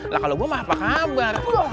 lah kalau gue mah apa kabar